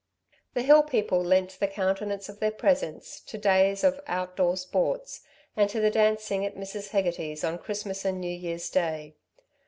The hill people lent the countenance of their presence to days of out door sports, and to the dancing at Mrs. Hegarty's on Christmas and New Year's day.